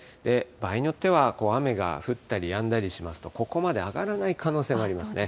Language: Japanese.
場合によっては、雨が降ったりやんだりしますと、ここまで上がらない可能性もありますね。